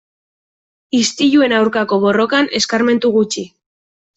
Istiluen aurkako borrokan eskarmentu gutxi.